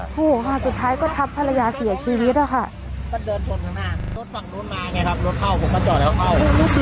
โอ้โหค่ะสุดท้ายก็ทับภรรยาเสียชีวิตอะค่ะ